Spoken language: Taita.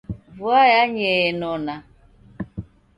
Vua yanyee enona.